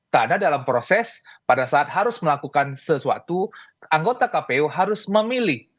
karena dalam proses pada saat harus melakukan sesuatu anggota kpu harus memilih